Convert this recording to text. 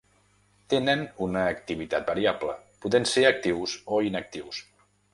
Tenen una activitat variable, podent ser actius o inactius.